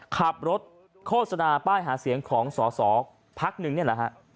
ขับรถโฆษณาป้ายหาเสียงของสอสอพักหนึ่งนี่แหละฮะ